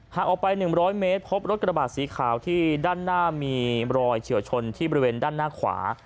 หากออกไป๑๐๐เมตรพบรถกระบาดสีขาวที่ด้านหน้ามีรอยเฉียวชนที่บริเวณด้านหน้าขวา